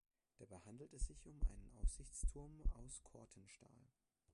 Dabei handelt es sich um einen Aussichtsturm aus Cortenstahl.